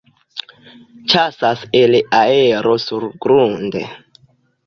Ĉasas el aero surgrunde.